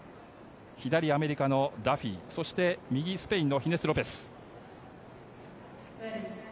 左、アメリカのダフィーそして右、スペインのヒネス・ロペス。